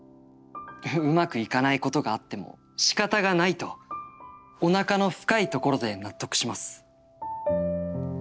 うまくいかないことがあっても仕方がないとお腹の深いところで納得します。